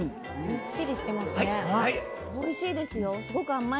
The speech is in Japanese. おいしいですよ。